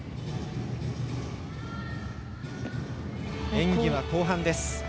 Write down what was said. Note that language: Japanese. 演技は後半です。